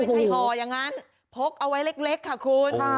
มันใช้ห่อยังงั้นพกเอาไว้เล็กค่ะคุณ